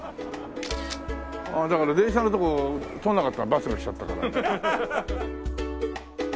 だから電車のとこ撮らなかったバスが来ちゃったから。